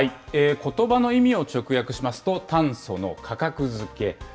ことばの意味を直訳しますと、炭素の価格付け。